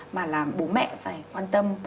mà làm bố mẹ phải quan tâm